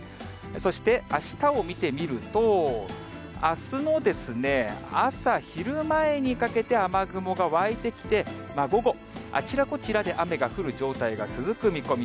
そして、あしたを見てみると、あすの朝、昼前にかけて雨雲が湧いてきて、午後、あちらこちらで雨が降る状態が続く見込み。